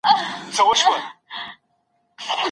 اقتصادي پرمختيا چی کيفي شاخصونه لري پراخه مانا لري.